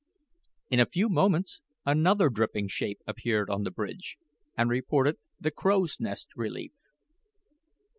In a few moments another dripping shape appeared on the bridge and reported the crow's nest relief.